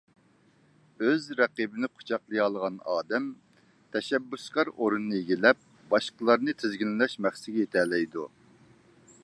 ئۆز رەقىبىنى قۇچاقلىيالىغان ئادەم تەشەببۇسكار ئورۇننى ئىگىلەپ باشقىلارنى تىزگىنلەش مەقسىتىگە يېتەلەيدۇ.